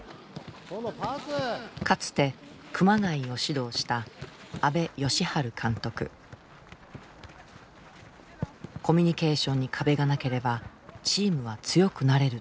かつて熊谷を指導したコミュニケーションに壁がなければチームは強くなれると考えてきた。